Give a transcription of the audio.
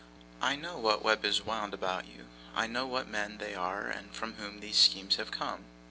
I know what web is wound about you. I know what men they are from whom these schemes have come.